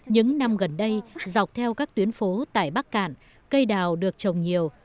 những năm gần đây dọc theo các tuyến phố tại bắc cạn cây đào được trồng nhiều